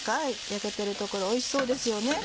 焼けてる所おいしそうですよね。